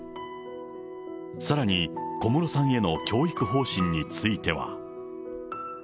さらに、小室さんへの教育方針については。